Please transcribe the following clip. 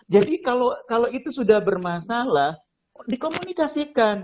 jadi kalau itu sudah bermasalah dikomunikasikan